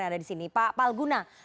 ada di sini pak palguna